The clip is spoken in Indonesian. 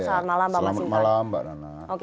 selamat malam mbak masinton